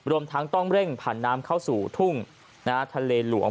รวมทั้งต้องเร่งผ่านน้ำเข้าสู่ทุ่งทะเลหลวง